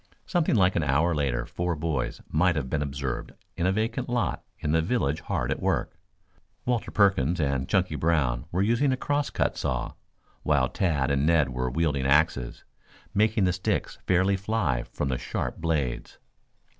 Something like an hour later four boys might have been observed in a vacant lot in the village hard at work. Walter Perkins and Chunky Brown were using a crosscut saw, while Tad and Ned were wielding axes, making the sticks fairly fly from the sharp blades.